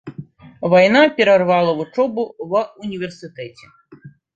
Вайна перарвала вучобу ва ўніверсітэце.